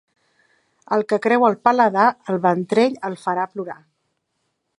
El que creu el paladar, el ventrell el farà plorar.